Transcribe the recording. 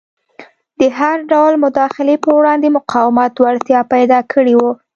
د هر ډول مداخلې پر وړاندې مقاومت وړتیا پیدا کړې وه.